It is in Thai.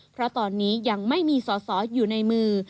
เพราะตอนนี้ยังไม่มีสอสออยู่ในมือ